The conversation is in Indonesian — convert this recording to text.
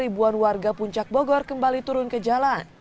ribuan warga puncak bogor kembali turun ke jalan